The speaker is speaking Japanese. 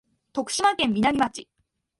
徳島県美波町